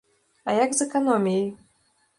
А як з эканоміяй?